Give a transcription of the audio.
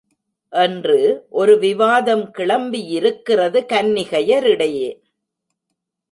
என்று ஒரு விவாதம் கிளம்பி யிருக்கிறது கன்னிகையரிடையே.